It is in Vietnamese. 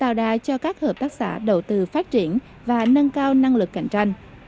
tạo đà cho các hợp tác xã đầu tư phát triển và nâng cao năng lực cạnh tranh